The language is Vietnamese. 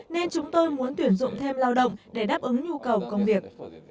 nên chúng tôi muốn tuyển dụng thêm lao động để đáp ứng nhu cầu công việc